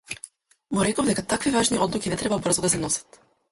Му реков дека такви важни одлуки не треба брзо да се носат.